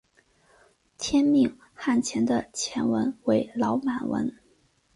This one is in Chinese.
天命汗钱的钱文为老满文。